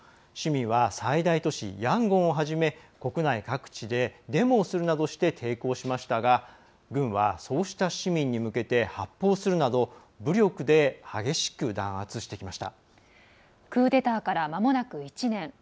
市民は最大都市ヤンゴンをはじめ国内各地でデモをするなどして抵抗しましたが軍はそうした市民に向けて発砲するなどクーデターからまもなく１年。